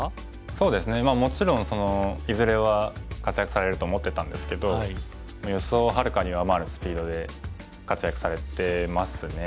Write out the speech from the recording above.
そうですねもちろんいずれは活躍されると思ってたんですけど予想をはるかに上回るスピードで活躍されてますね。